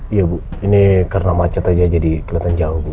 iya bu ini karena macet aja jadi kelihatan jauh bu